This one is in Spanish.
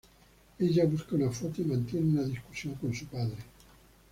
Ella busca una foto y mantiene una discusión con su padre.